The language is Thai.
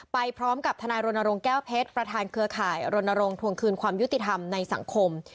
ไปพร้อมกับทนายรณรงค์แก้วเพชรประธานเครือข่ายรณรงค์ทวงคืนความยุติธรรมในสังคม